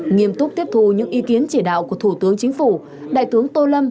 nghiêm túc tiếp thù những ý kiến chỉ đạo của thủ tướng chính phủ đại tướng tô lâm